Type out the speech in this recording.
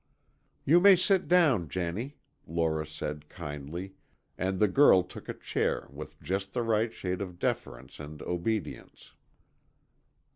"You may sit down, Jennie," Lora said, kindly, and the girl took a chair with just the right shade of deference and obedience.